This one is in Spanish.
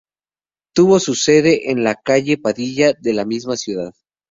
Tuvo su sede en la calle Padilla de la misma ciudad.